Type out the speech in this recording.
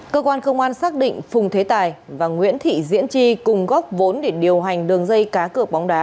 cơ quan công an xác định phùng thế tài và nguyễn thị diễn tri cùng góc vốn để điều hành đường dây cá cược bóng đá